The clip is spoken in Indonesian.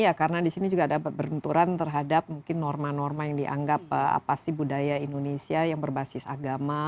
iya karena di sini juga ada berbenturan terhadap mungkin norma norma yang dianggap apa sih budaya indonesia yang berbasis agama